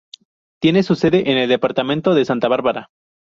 Tiene su sede en el departamento de Santa Bárbara.